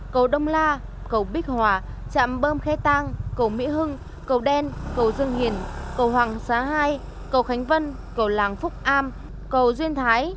cầu đông la cầu bích hòa trạm bơm khe tang cầu mỹ hưng cầu đen cầu dương hiền cầu hoàng xá hai cầu khánh vân cầu làng phúc am cầu duyên thái